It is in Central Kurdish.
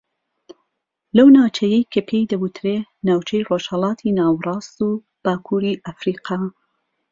لەو ناوچەیەی کە پێی دەوتری ناوچەی ڕۆژھەڵاتی ناوەڕاست و باکووری ئەفریقا